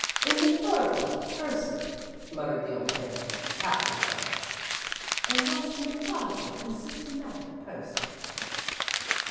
A methodical person," muttered the old man, half to himself; "a most methodical and systematic person."